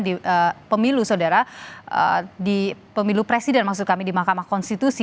di pemilu saudara di pemilu presiden maksud kami di mahkamah konstitusi